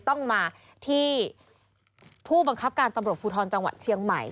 ต้องมาที่ผู้บังคับการตำรวจภูทรจังหวัดเชียงใหม่